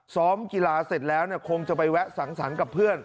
ซ้อมกีฬาเสร็จแล้วคงจะไปแวะสังสรรค์กับเพื่อน